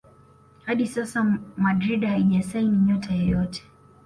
hadi sasa Madrid haijasaini nyota yeyote